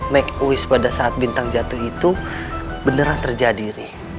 make a wish pada saat bintang jatuh itu beneran terjadi ri